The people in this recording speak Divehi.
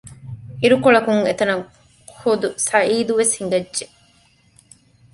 އިރުކޮޅަކުން އެތަނަށް ޚުދު ސަޢީދު ވެސް ހިނގައްޖެ